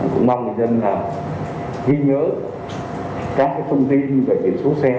cũng mong người dân là ghi nhớ các thông tin về biển số xe